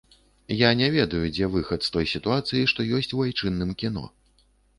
Я не ведаю, дзе выхад з той сітуацыі, што ёсць у айчынным кіно.